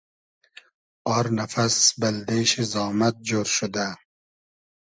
آر نئفئس بئلدې شی زامئد جۉر شودۂ